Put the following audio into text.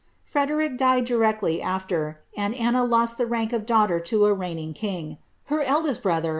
* Frederic died directly after, and Anna lost the rank of datigliter to a reigning king, ller eldest brnilur.